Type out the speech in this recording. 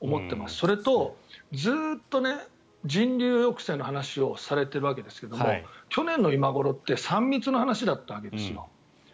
それと、ずっと人流抑制の話をされているわけですが去年の今頃って３密の話だったわけですよ。